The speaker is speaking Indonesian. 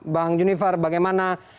bang junifar bagaimana